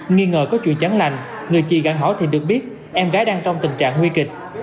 nghi ngờ có chuyện chắn lành người chị gắn hỏi thì được biết em gái đang trong tình trạng nguy kịch